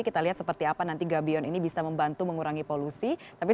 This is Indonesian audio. kita lihat seperti apa nanti gabion ini bisa membantu mengurangi polusi